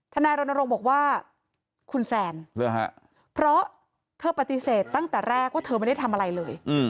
นายรณรงค์บอกว่าคุณแซนเพราะเธอปฏิเสธตั้งแต่แรกว่าเธอไม่ได้ทำอะไรเลย